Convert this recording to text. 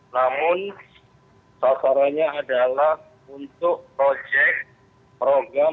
namun sasarannya adalah untuk proyek program